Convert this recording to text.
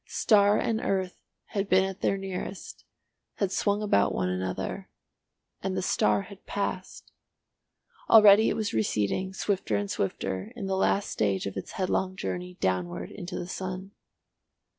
Star and earth had been at their nearest, had swung about one another, and the star had passed. Already it was receding, swifter and swifter, in the last stage of its headlong journey downward into the sun.